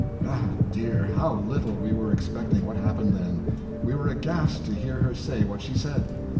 Ah, dear, how little we were expecting what happened then! We were aghast to hear her say what she said.